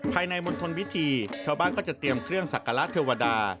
มณฑลพิธีชาวบ้านก็จะเตรียมเครื่องสักการะเทวดา